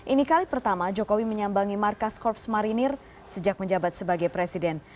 ini kali pertama jokowi menyambangi markas korps marinir sejak menjabat sebagai presiden